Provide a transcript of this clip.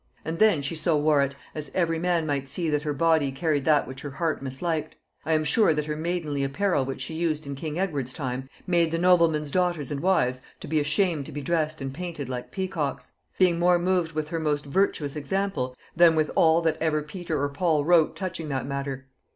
And then she so wore it, as every man might see that her body carried that which her heart misliked. I am sure that her maidenly apparel which she used in king Edward's time, made the noblemen's daughters and wives to be ashamed to be dressed and painted like peacocks; being more moved with her most virtuous example than with all that ever Paul or Peter wrote touching that matter.